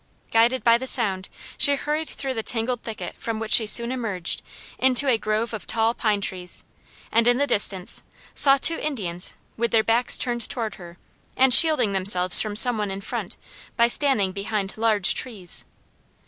Guided by the sound she hurried through the tangled thicket from which she soon emerged into a grove of tall pine trees, and in the distance saw two Indians with their backs turned toward her and shielding themselves from some one in front by standing behind large trees.